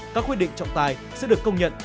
các quy định trọng tài sẽ được công nhận